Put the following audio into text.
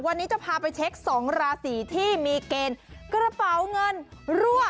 วันนี้จะพาไปเช็คสองราศีที่มีเกณฑ์กระเป๋าเงินรั่ว